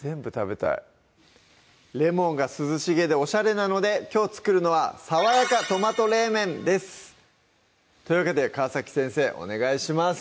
レモンが涼しげでおしゃれなのできょう作るのは「爽やかトマト冷麺」ですというわけで川先生お願いします